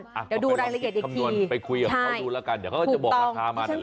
เดี๋ยวดูรายละเอียดดีคำนวณไปคุยกับเขาดูแล้วกันเดี๋ยวเขาก็จะบอกราคามานั่นแหละ